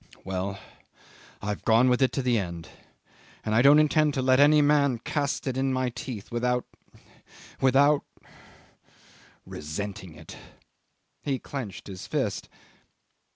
'"Well. I've gone with it to the end, and I don't intend to let any man cast it in my teeth without without resenting it." He clenched his fist.